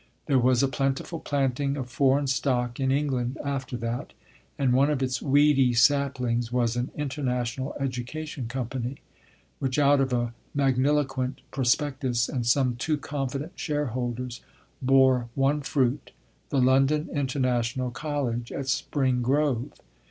There was a plentiful planting of foreign stock in England after that, and one of its weedy saplings was an International Education Company, which out of a magniloquent prospectus and some too confident shareholders bore one fruit, the London International College at Spring Grove.